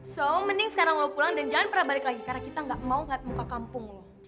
so mending sekarang lo pulang dan jangan pernah balik lagi karena kita gak mau ngeliat muka kampung lo